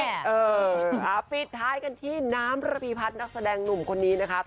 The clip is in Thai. เออปิดท้ายกันที่น้ำระพีพัฒน์นักแสดงหนุ่มคนนี้นะครับ